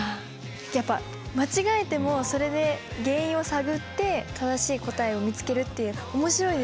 やっぱ間違えてもそれで原因を探って正しい答えを見つけるっていうの面白いですね。